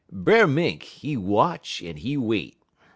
"Brer Mink, he watch en he wait.